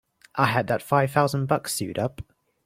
I had that five thousand bucks sewed up!